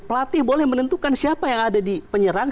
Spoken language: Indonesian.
pelatih boleh menentukan siapa yang ada di penyerang